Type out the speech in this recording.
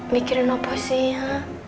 mikirin apa sih ya